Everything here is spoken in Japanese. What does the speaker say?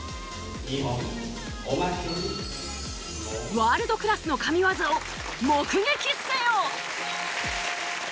ワールドクラスの神業を目撃せよ！